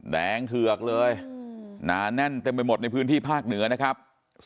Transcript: แดงเถือกเลยหนาแน่นเต็มไปหมดในพื้นที่ภาคเหนือนะครับ